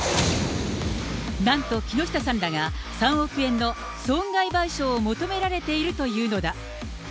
なんと木下さんらが３億円の損害賠償を求められているというのだ。